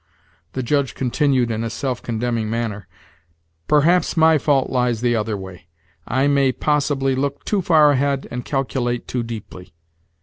The Judge continued, in a self condemning manner; "Perhaps my fault lies the other way: I may possibly look too far ahead, and calculate too deeply.